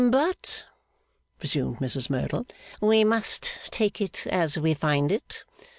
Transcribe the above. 'But,' resumed Mrs Merdle, 'we must take it as we find it.